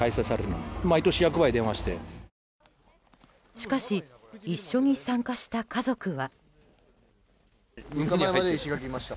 しかし一緒に参加した家族は。